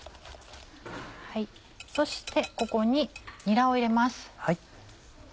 そしてここににらを入れます。